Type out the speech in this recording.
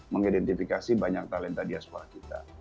mengidentifikasi banyak talenta diaspora kita